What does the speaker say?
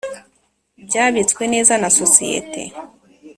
Byabitswe neza na sosiyete